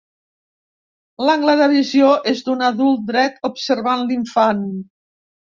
L'angle de visió és el d'un adult dret, observant l'infant.